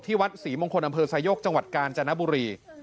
วัดศรีมงคลอำเภอไซโยกจังหวัดกาญจนบุรี